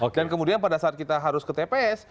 dan kemudian pada saat kita harus ke tps